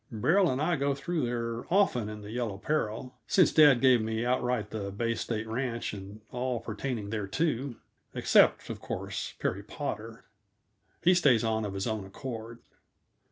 Beryl and I go through there often in the Yellow Peril, since dad gave me outright the Bay State Ranch and all pertaining thereto except, of course, Perry Potter; he stays on of his own accord.